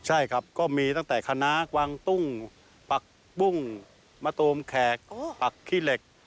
ใช่ครับก็มีตั้งแต่คณะกวางตุ้งปักปุ้งมะตูมแขกปักขี้เหล็ก